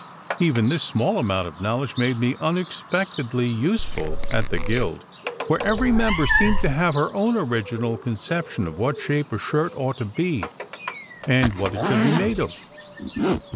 Even this small amount of knowledge made me unexpectedly useful at the guild, where every member seemed to have her own original conception of what shape a shirt ought to be, and what it should be made of.